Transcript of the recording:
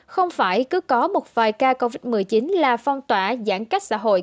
không phải cứ có một vài ca covid một mươi chín là phong tỏa giãn cách xã hội